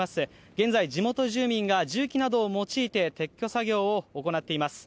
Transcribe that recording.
現在、地元住民が重機などを用いて撤去作業を行っています。